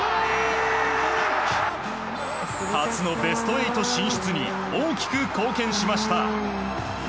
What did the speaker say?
初のベスト８進出に大きく貢献しました。